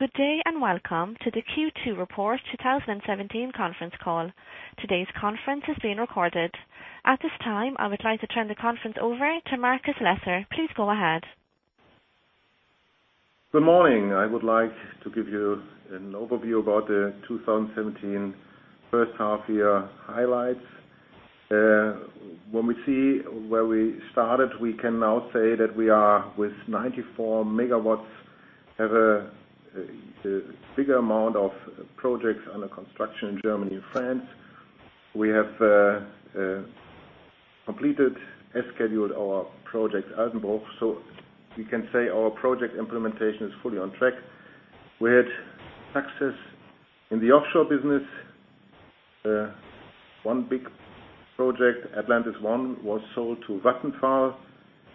Good day, and welcome to the Q2 Report 2017 conference call. Today's conference is being recorded. At this time, I would like to turn the conference over to Markus Lesser. Please go ahead. Good morning. I would like to give you an overview about the 2017 first half-year highlights. When we see where we started, we can now say that we are with 94 MW, have a bigger amount of projects under construction in Germany and France. We have completed as scheduled our project, Altenbruch, so we can say our project implementation is fully on track. We had success in the offshore business. One big project, Atlantis I, was sold to Vattenfall,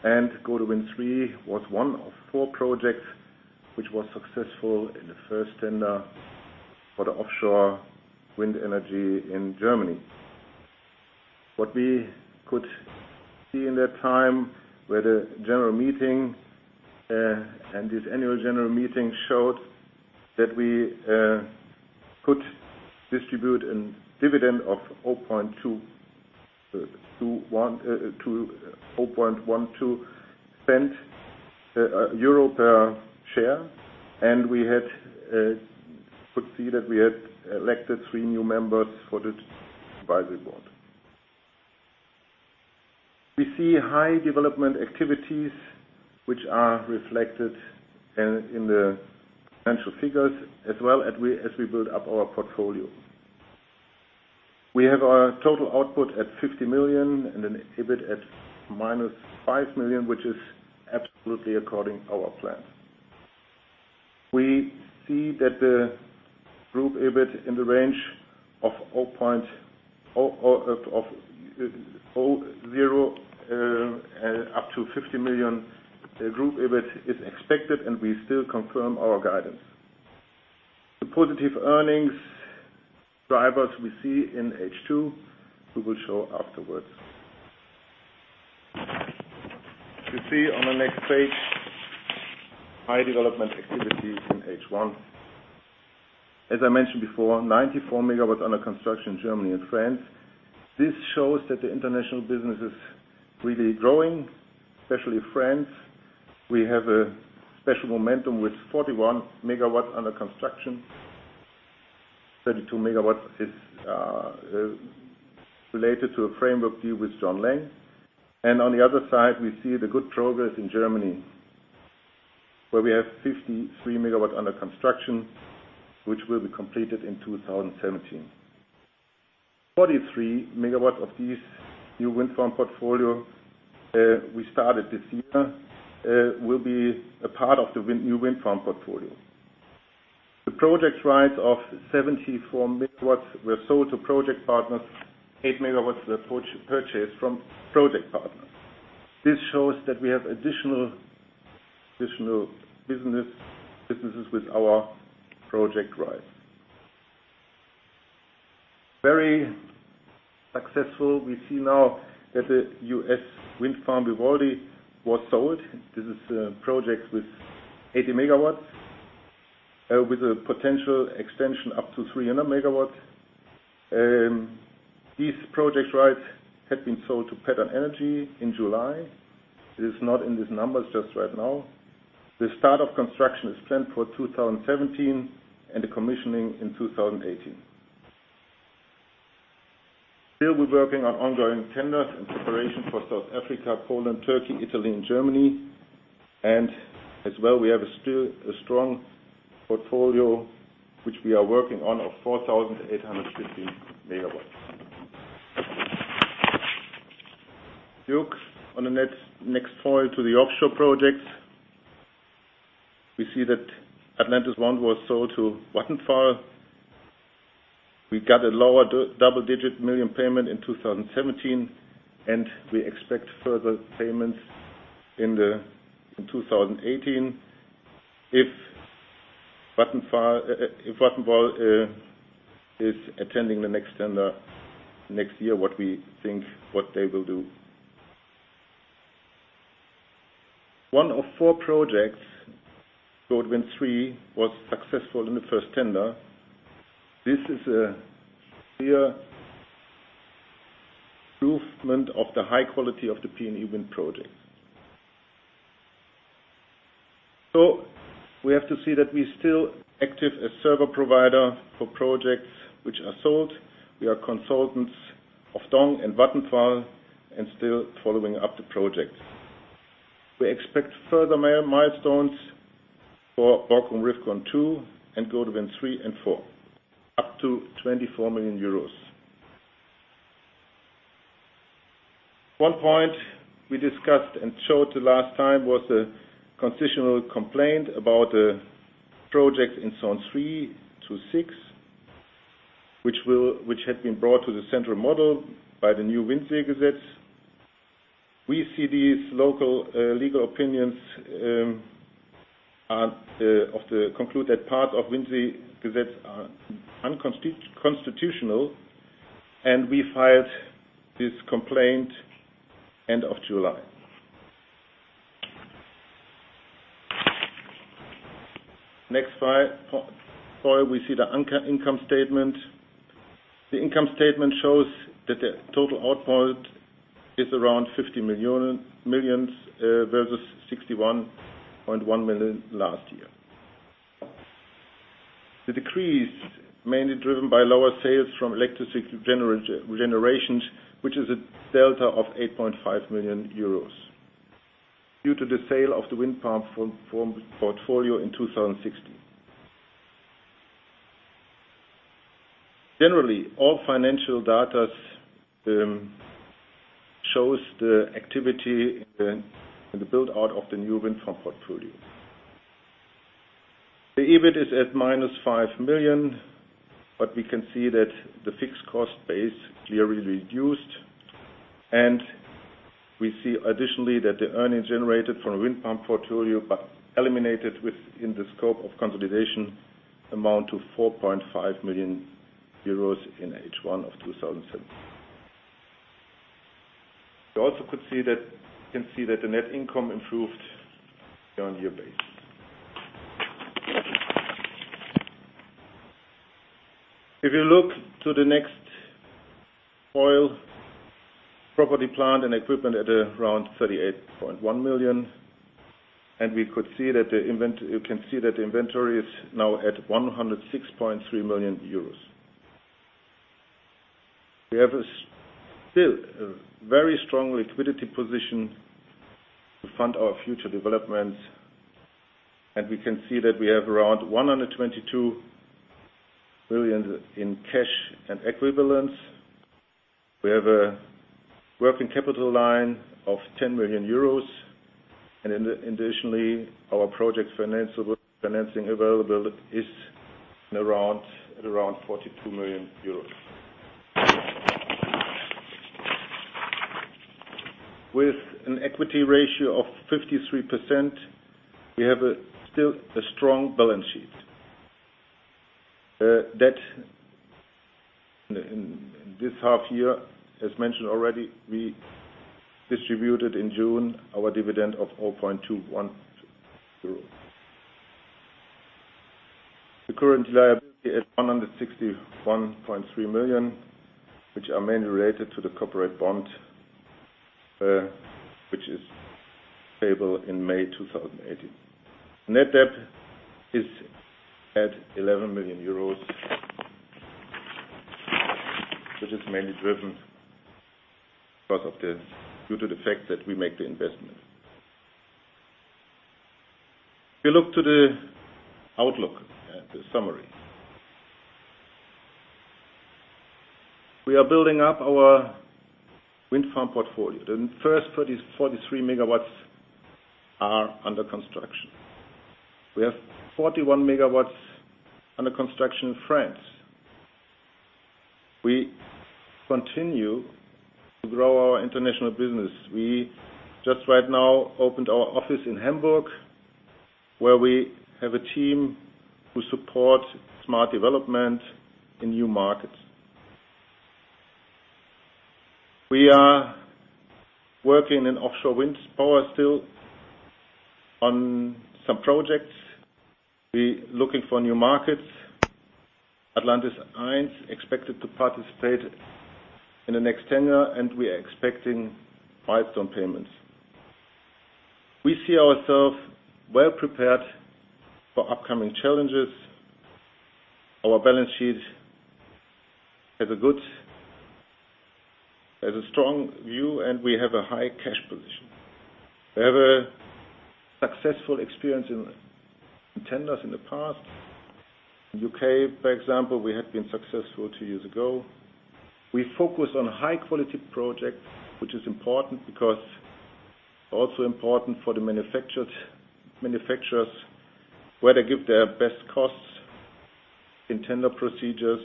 and Gode Wind 3 was one of four projects which was successful in the first tender for the offshore wind energy in Germany. What we could see in that time were the general meeting, and this annual general meeting showed that we could distribute a dividend of EUR 0.12 per share, and we could see that we had elected three new members for the advisory board. We see high development activities, which are reflected in the financial figures, as well as we build up our portfolio. We have our total output at 50 million and an EBIT at minus 5 million, which is absolutely according our plan. We see that the group EBIT in the range of zero up to 50 million group EBIT is expected. We still confirm our guidance. The positive earnings drivers we see in H2, we will show afterwards. You see on the next page, high development activities in H1. As I mentioned before, 94 MW under construction in Germany and France. This shows that the international business is really growing, especially France. We have a special momentum with 41 MW under construction. 32 MW is related to a framework deal with John Laing. On the other side, we see the good progress in Germany, where we have 53 MW under construction, which will be completed in 2017. 43 MW of this new wind farm portfolio we started this year will be a part of the new wind farm portfolio. The project rights of 74 MW were sold to project partners, eight MW were purchased from project partners. This shows that we have additional businesses with our project rights. Very successful, we see now that the U.S. wind farm Vivaldi was sold. This is a project with 80 MW, with a potential extension up to 300 MW. These project rights had been sold to Pattern Energy in July. It is not in these numbers just right now. The start of construction is planned for 2017 and the commissioning in 2018. Still we're working on ongoing tenders and preparation for South Africa, Poland, Turkey, Italy, and Germany. We have still a strong portfolio, which we are working on of 4,850 megawatts. On the next foil to the offshore projects, we see that Atlantis I was sold to Vattenfall. We got a lower double-digit million payment in 2017, and we expect further payments in 2018. If Vattenfall is attending the next tender next year, what we think they will do. One of four projects, Gode Wind 3, was successful in the first tender. This is a clear improvement of the high quality of the PNE wind project. We have to see that we're still active as service provider for projects which are sold. We are consultants of Dong and Vattenfall and still following up the project. We expect further milestones for Borkum Riffgrund 2 and Gode Wind 3 and 4, up to 24 million euros. One point we discussed and showed the last time was a constitutional complaint about a project in zone three to six, which had been brought to the central model by the new WindSee-Gesetz. We see these local legal opinions conclude that parts of WindSee-Gesetz are unconstitutional, and we filed this complaint end of July. Next slide, we see the income statement. The income statement shows that the total output is around 50 million versus 61.1 million last year. The decrease mainly driven by lower sales from electricity generations, which is a delta of 8.5 million euros, due to the sale of the wind farm portfolio in 2016. Generally, all financial data shows the activity in the build-out of the new wind farm portfolio. The EBIT is at -5 million, but we can see that the fixed cost base clearly reduced. We see additionally that the earnings generated from wind farm portfolio, but eliminated within the scope of consolidation, amount to 4.5 million euros in H1 of 2017. You also can see that the net income improved year-on-year basis. If you look to the next foil, property, plant, and equipment at around 38.1 million, and you can see that inventory is now at 106.3 million euros. We have still a very strong liquidity position to fund our future developments, and we can see that we have around 122 million in cash and equivalents. We have a working capital line of 10 million euros, and additionally, our project financing availability is at around EUR 42 million. With an equity ratio of 53%, we have still a strong balance sheet. In this half year, as mentioned already, we distributed in June our dividend of 4.21. The current liability at 161.3 million, which are mainly related to the corporate bond, which is payable in May 2018. Net debt is at EUR 11 million, which is mainly driven due to the fact that we make the investment. We look to the outlook summary. We are building up our wind farm portfolio. The first 43 megawatts are under construction. We have 41 megawatts under construction in France. We continue to grow our international business. We just right now opened our office in Hamburg, where we have a team who support smart development in new markets. We are working in offshore wind power still on some projects. We are looking for new markets. Atlantis I expected to participate in the next tender, and we are expecting milestone payments. We see ourselves well-prepared for upcoming challenges. Our balance sheet has a strong view, and we have a high cash position. We have a successful experience in tenders in the past. In U.K., for example, we had been successful two years ago. We focus on high-quality projects, which is also important for the manufacturers, where they give their best costs in tender procedures.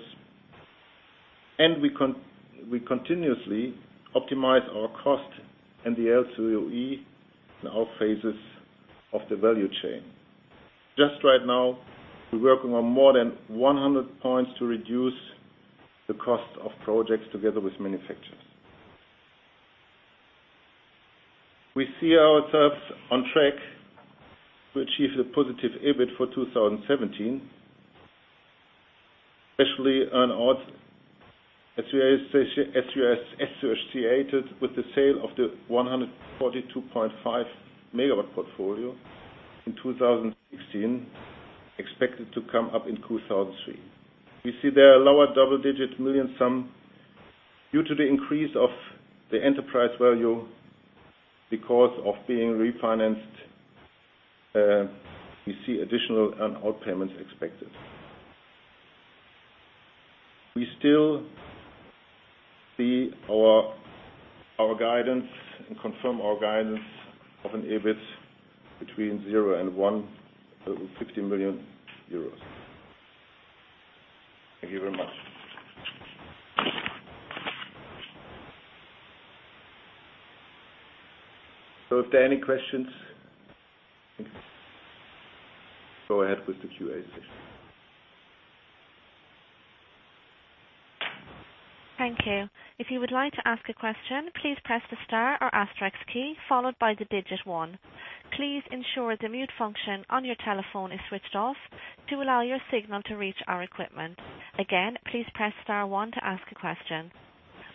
We continuously optimize our cost and the LCOE in all phases of the value chain. Just right now, we are working on more than 100 points to reduce the cost of projects together with manufacturers. We see ourselves on track to achieve the positive EBIT for 2017, especially on odds associated with the sale of the 142.5-megawatt portfolio in 2016, expected to come up in 2003. We see there are lower double-digit million EUR sum due to the increase of the enterprise value. Because of being refinanced, we see additional earn-out payments expected. We still see our guidance and confirm our guidance of an EBIT between zero and EUR 1.50 million. Thank you very much. If there are any questions, go ahead with the QA session. Thank you. If you would like to ask a question, please press the star or asterisk key followed by the digit one. Please ensure the mute function on your telephone is switched off to allow your signal to reach our equipment. Again, please press star one to ask a question.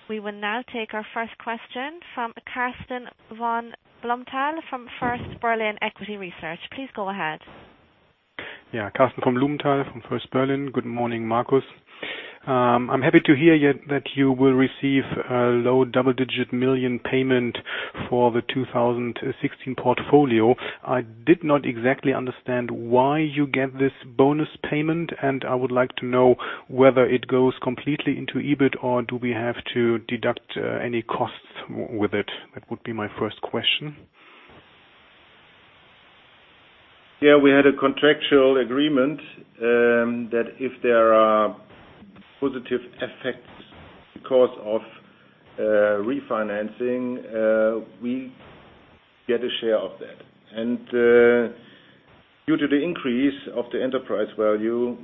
We will now take our first question from Karsten von Blumenthal from First Berlin Equity Research. Please go ahead. Karsten von Blumenthal from First Berlin. Good morning, Markus. I am happy to hear that you will receive a low double-digit million EUR payment for the 2016 portfolio. I did not exactly understand why you get this bonus payment. I would like to know whether it goes completely into EBIT or do we have to deduct any costs with it? That would be my first question. We had a contractual agreement that if there are positive effects because of refinancing, we get a share of that. Due to the increase of the enterprise value,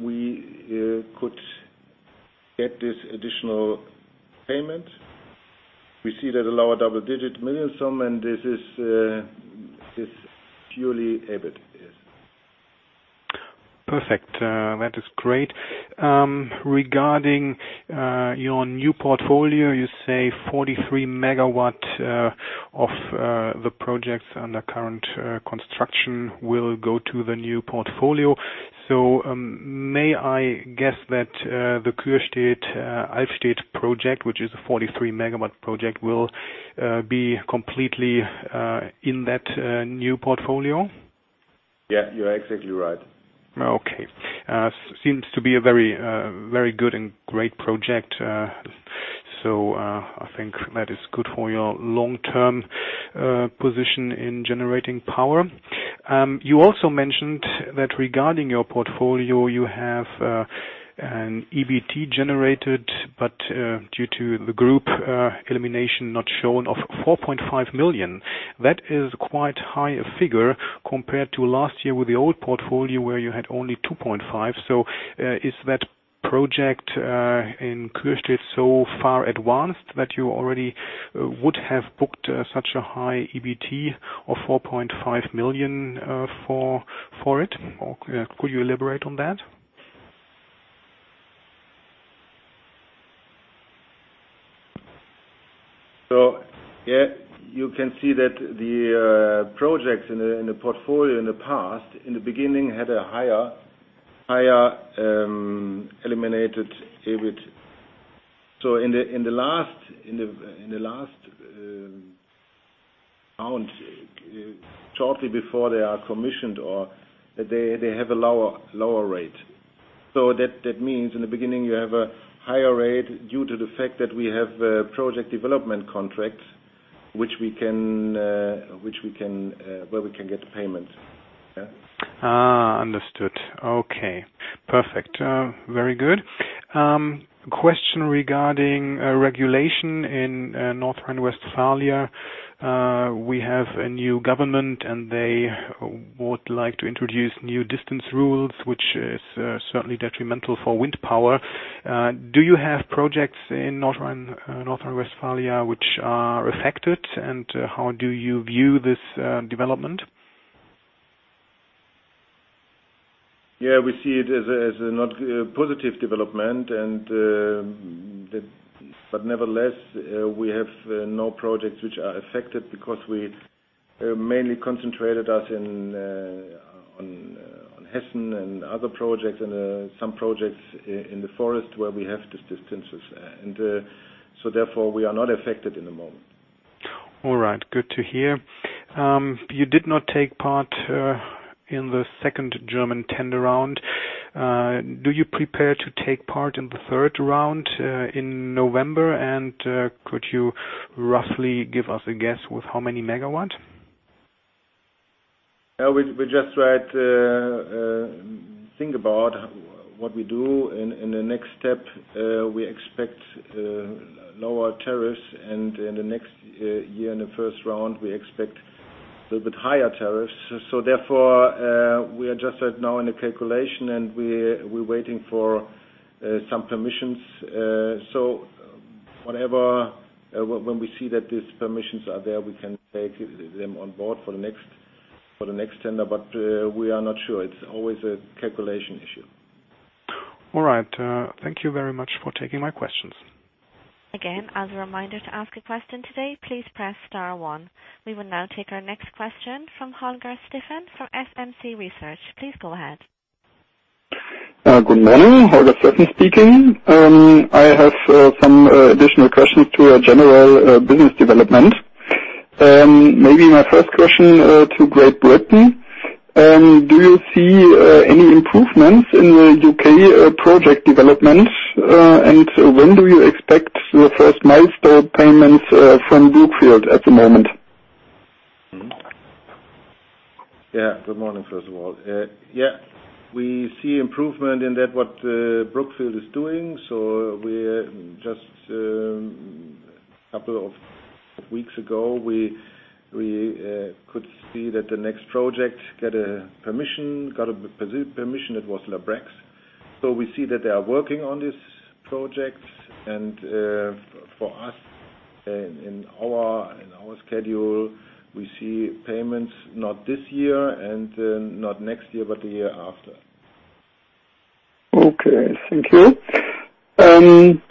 we could get this additional payment. We see that a lower double-digit million sum, this is purely EBIT. Perfect. That is great. Regarding your new portfolio, you say 43 megawatt of the projects under current construction will go to the new portfolio. May I guess that the Kührstedt, Alfstedt project, which is a 43 megawatt project, will be completely in that new portfolio? You're exactly right. Okay. Seems to be a very good and great project. I think that is good for your long-term position in generating power. You also mentioned that regarding your portfolio, you have an EBT generated, but due to the group elimination not shown of 4.5 million. That is quite high a figure compared to last year with the old portfolio where you had only 2.5 million. Is that project in Kührstedt so far advanced that you already would have booked such a high EBT of 4.5 million for it? Could you elaborate on that? You can see that the projects in the portfolio in the past, in the beginning, had a higher eliminated EBIT. In the last round, shortly before they are commissioned, they have a lower rate. That means in the beginning, you have a higher rate due to the fact that we have project development contracts, where we can get the payment. Understood. Okay, perfect. Very good. Question regarding regulation in North Rhine-Westphalia. We have a new government and they would like to introduce new distance rules, which is certainly detrimental for wind power. Do you have projects in North Rhine-Westphalia which are affected, and how do you view this development? We see it as a not positive development, but nevertheless, we have no projects which are affected because we mainly concentrated us on Hessen and other projects and some projects in the forest where we have these distances. Therefore we are not affected in the moment. All right, good to hear. You did not take part in the second German tender round. Do you prepare to take part in the third round in November, and could you roughly give us a guess with how many megawatt? We just think about what we do in the next step. We expect lower tariffs and in the next year, in the first round, we expect a little bit higher tariffs. Therefore, we're just right now in the calculation and we're waiting for some permissions. Whenever we see that these permissions are there, we can take them on board for the next tender, but we are not sure. It's always a calculation issue. All right. Thank you very much for taking my questions. Again, as a reminder to ask a question today, please press star one. We will now take our next question from Holger Steffen from SMC Research. Please go ahead. Good morning, Holger Steffen speaking. I have some additional questions to our general business development. Maybe my first question to Great Britain. Do you see any improvements in the U.K. project development? When do you expect your first milestone payments from Brookfield at the moment? Good morning, first of all. We see improvement in that what Brookfield is doing. We just a couple of weeks ago, we could see that the next project got a permission. It was Larbrax. We see that they are working on this project, and for us, in our schedule, we see payments not this year and not next year, but the year after. Okay. Thank you.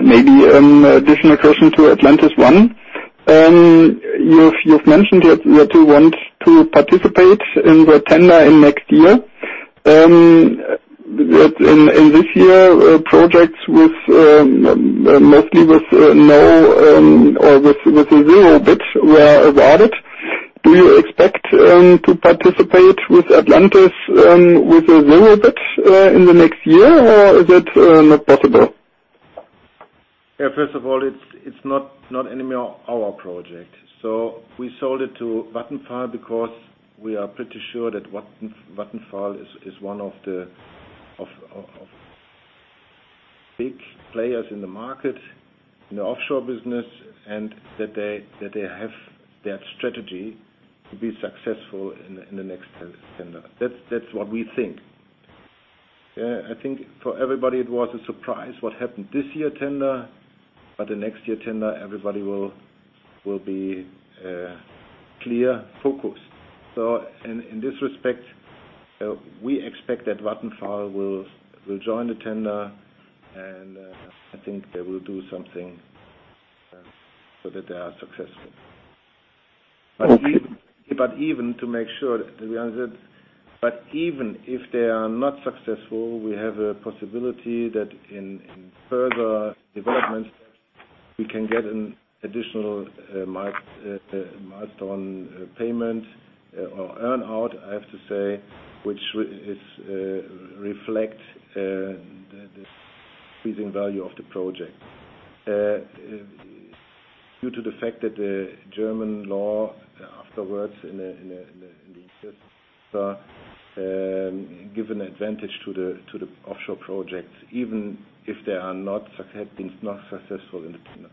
Maybe additional question to Atlantis I. You've mentioned that you want to participate in the tender in next year. In this year, projects mostly with zero bid were awarded. Do you expect to participate with Atlantis with a zero bid in the next year, or is it not possible? First of all, it's not anymore our project. We sold it to Vattenfall because we are pretty sure that Vattenfall is one of the big players in the market, in the offshore business, and that they have that strategy to be successful in the next tender. That's what we think. I think for everybody, it was a surprise what happened this year tender. The next year tender, everybody will be clear-focused. In this respect, we expect that Vattenfall will join the tender, and I think they will do something so that they are successful. Even if they are not successful, we have a possibility that in further development steps, we can get an additional milestone payment or earn-out, I have to say, which reflects the increasing value of the project. Due to the fact that the German law afterwards in the give an advantage to the offshore projects, even if they are not successful in the tender.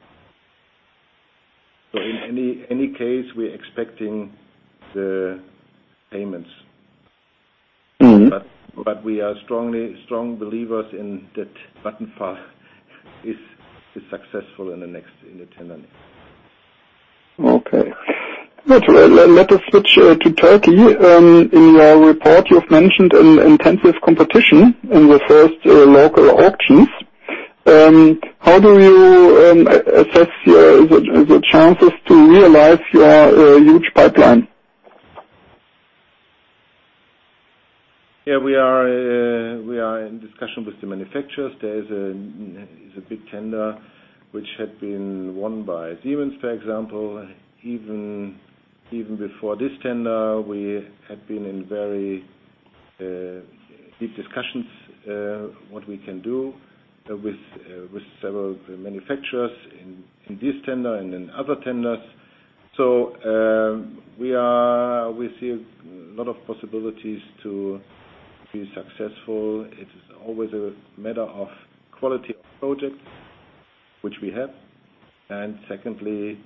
In any case, we're expecting the payments. We are strong believers in that Vattenfall is successful in the tender next. Okay. Let us switch to Turkey. In your report, you've mentioned an intensive competition in the first local auctions. How do you assess the chances to realize your huge pipeline? We are in discussion with the manufacturers. There's a big tender, which had been won by Siemens, for example. Even before this tender, we had been in very deep discussions, what we can do with several manufacturers in this tender and in other tenders. We see a lot of possibilities to be successful. It is always a matter of quality of projects, which we have, and secondly,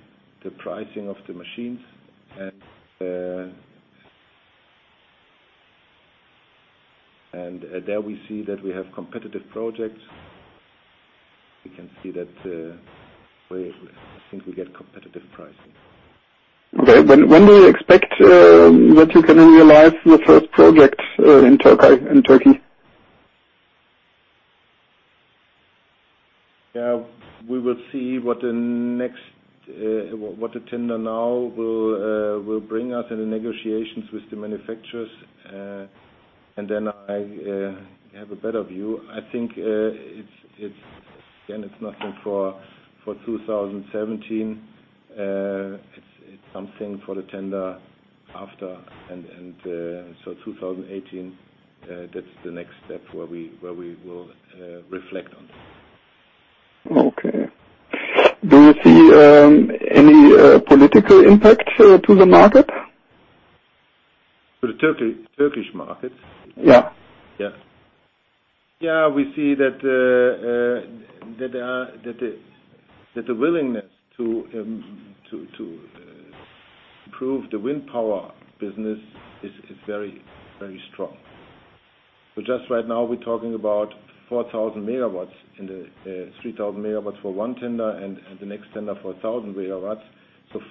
the pricing of the machines. There we see that we have competitive projects. We can see that, I think we get competitive pricing. Okay. When do you expect that you can realize the first project in Turkey? We will see what the tender now will bring us in the negotiations with the manufacturers. I have a better view. I think, again, it's nothing for 2017. It's something for the tender after, 2018. That's the next step where we will reflect on. Okay. Do you see any political impact to the market? To the Turkish market? Yeah. Yeah. We see that the willingness to improve the wind power business is very strong. Just right now, we're talking about 4,000 megawatts, 3,000 megawatts for one tender and the next tender for 1,000 megawatts.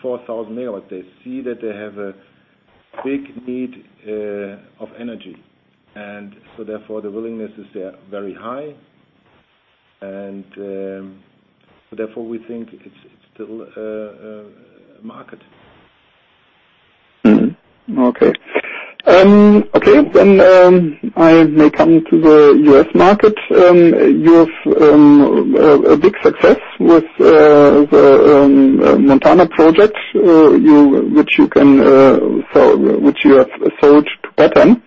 4,000 megawatts. They see that they have a big need of energy. Therefore, the willingness is very high. Therefore, we think it's still a market. Okay. I may come to the U.S. market. You have a big success with the Montana project, which you have sold to Pattern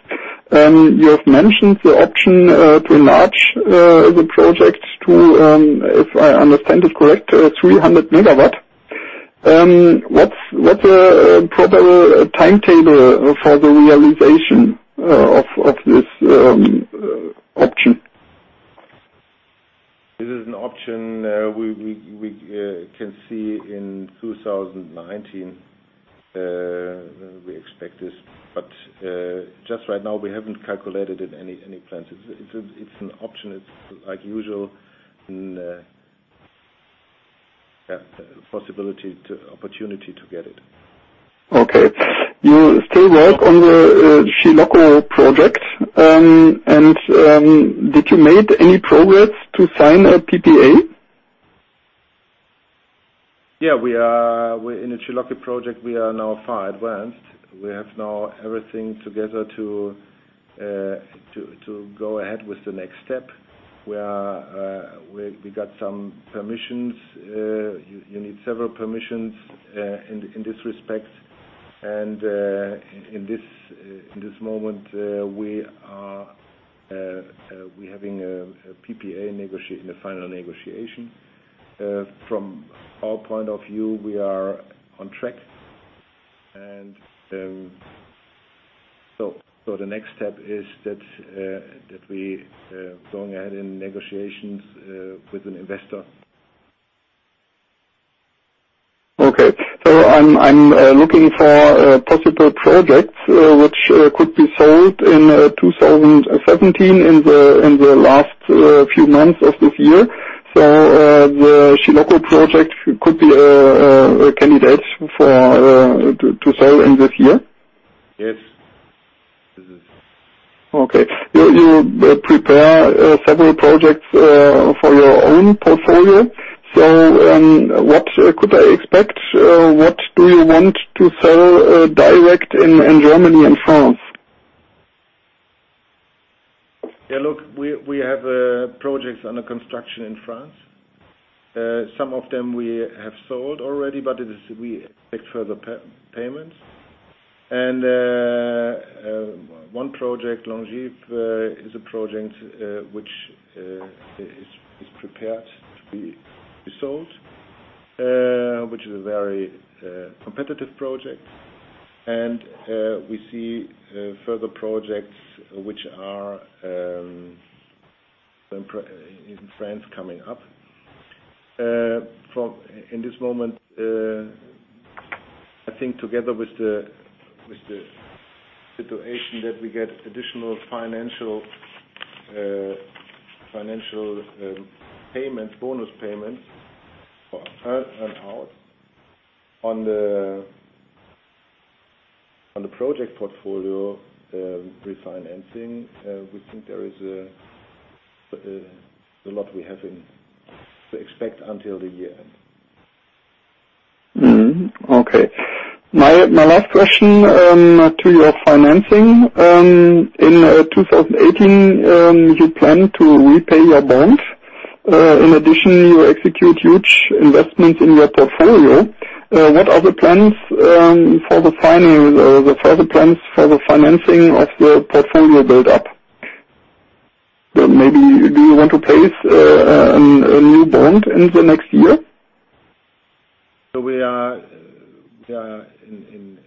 Energy. You have mentioned the option to enlarge the project to, if I understand it correct, 300 MW. What's a proper timetable for the realization of this option? This is an option we can see in 2019, we expect this. Just right now, we haven't calculated it any plans. It's an option. It's like usual, possibility, opportunity to get it. Okay. You still work on the Chilocco project. Did you make any progress to sign a PPA? Yeah, in the Chilocco project, we are now far advanced. We have now everything together to go ahead with the next step. We got some permissions. You need several permissions in this respect. In this moment, we're having a PPA in the final negotiation. From our point of view, we are on track. The next step is that we going ahead in negotiations with an investor. I'm looking for possible projects which could be sold in 2017, in the last few months of this year. The Chilocco project could be a candidate to sell in this year? Yes. Okay. You prepare several projects for your own portfolio. What could I expect? What do you want to sell direct in Germany and France? Look, we have projects under construction in France. Some of them we have sold already, but we expect further payments. One project, [Longip], is a project which is prepared to be sold, which is a very competitive project. We see further projects, which are in France coming up. In this moment, I think together with the situation that we get additional financial bonus payments for earn-out on the project portfolio refinancing, we think there is a lot we have to expect until the year-end. Okay. My last question to your financing. In 2018, you plan to repay your bonds. In addition, you execute huge investments in your portfolio. What are the further plans for the financing of your portfolio build-up? Maybe, do you want to place a new bond in the next year? We are in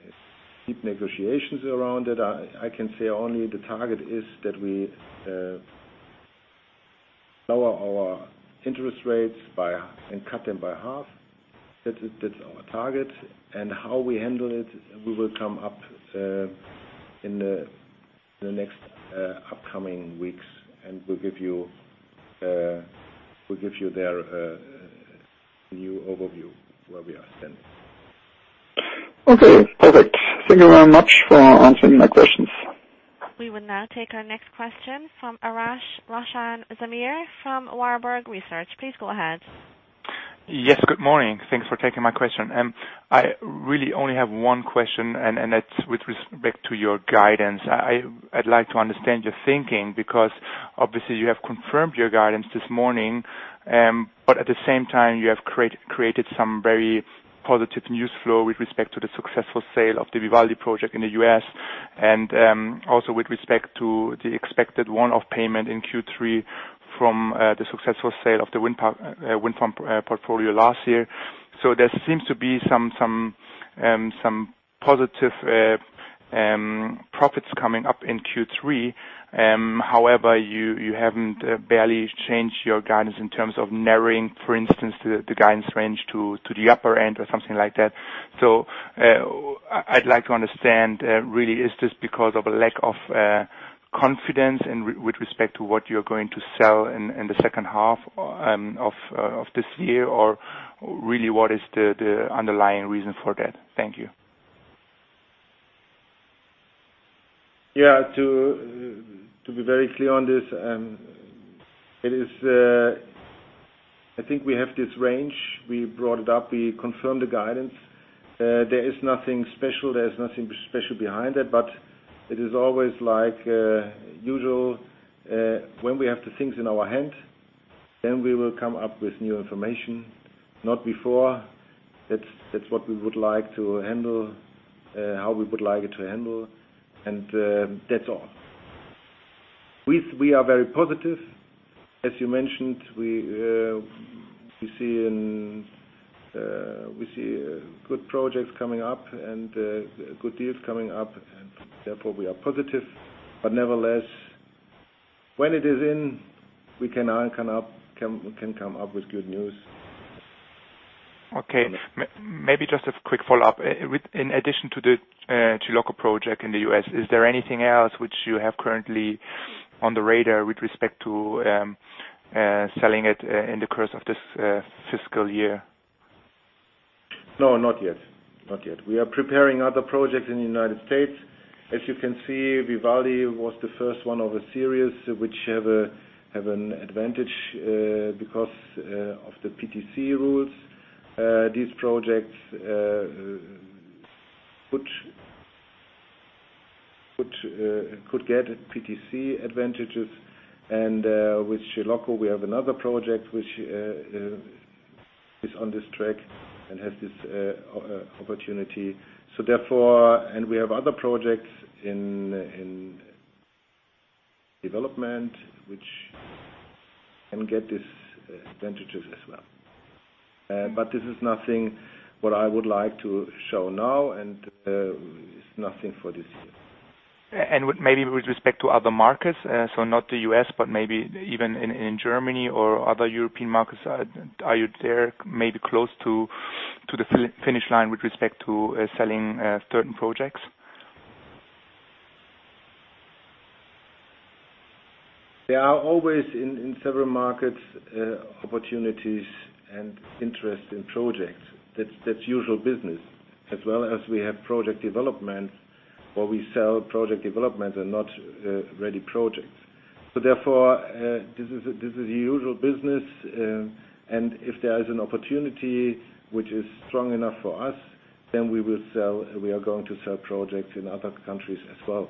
deep negotiations around it. I can say only the target is that we lower our interest rates and cut them by half. That's our target, and how we handle it, we will come up in the next upcoming weeks, and we will give you there a new overview where we are then. Perfect. Thank you very much for answering my questions. We will now take our next question from Arash Roshan Zamir from Warburg Research. Please go ahead. Yes, good morning. Thanks for taking my question. I really only have one question, that's with respect to your guidance. I'd like to understand your thinking, because obviously you have confirmed your guidance this morning, at the same time, you have created some very positive news flow with respect to the successful sale of the Vivaldi project in the U.S., and also with respect to the expected one-off payment in Q3 from the successful sale of the wind farm portfolio last year. There seems to be some positive profits coming up in Q3. However, you haven't barely changed your guidance in terms of narrowing, for instance, the guidance range to the upper end or something like that. I'd like to understand, really, is this because of a lack of confidence and with respect to what you're going to sell in the second half of this year? really what is the underlying reason for that? Thank you. to be very clear on this, I think we have this range. We brought it up. We confirmed the guidance. There is nothing special behind it is always like usual, when we have the things in our hand, then we will come up with new information, not before. That's what we would like to handle, how we would like it to handle. That's all. We are very positive. As you mentioned, we see good projects coming up and good deals coming up, and therefore we are positive. Nevertheless, when it is in, we can come up with good news. Maybe just a quick follow-up. In addition to the Chilocco project in the U.S., is there anything else which you have currently on the radar with respect to selling it in the course of this fiscal year? not yet. We are preparing other projects in the United States. As you can see, Vivaldi was the first one of a series which have an advantage because of the PTC rules. These projects could get PTC advantages. With Chilocco, we have another project which is on this track and has this opportunity. We have other projects in development, which can get these advantages as well. This is nothing what I would like to show now, and it's nothing for this year. Maybe with respect to other markets, so not the U.S., but maybe even in Germany or other European markets, are you there maybe close to the finish line with respect to selling certain projects? There are always, in several markets, opportunities and interest in projects. That's usual business. As well as we have project development, where we sell project development and not ready projects. Therefore, this is usual business, and if there is an opportunity which is strong enough for us, then we are going to sell projects in other countries as well.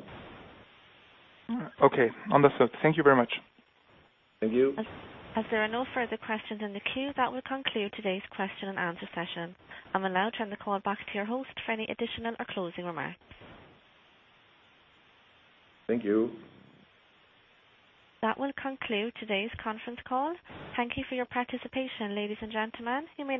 Okay. Understood. Thank you very much. Thank you. As there are no further questions in the queue, that will conclude today's question and answer session. I'm going to now turn the call back to your host for any additional or closing remarks. Thank you. That will conclude today's conference call. Thank you for your participation, ladies and gentlemen. You may now disconnect.